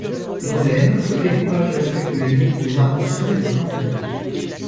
Dans l'Aisne, ce découpage respecte les limites des arrondissements et des cantons.